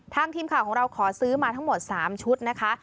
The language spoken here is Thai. ทีมข่าวของเราขอซื้อมาทั้งหมด๓ชุดนะคะ